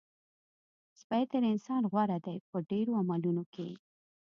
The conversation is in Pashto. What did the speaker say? سپی تر انسان غوره دی په ډېرو عملونو کې.